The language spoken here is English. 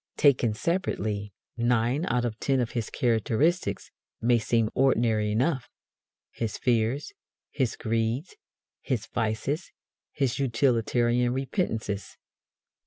Taken separately, nine out of ten of his characteristics may seem ordinary enough his fears, his greeds, his vices, his utilitarian repentances.